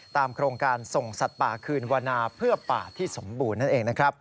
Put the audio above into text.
ตามโครงการส่งสัตว์ป่าคืนวรรณาเพื่อป่าที่สมบูรณ์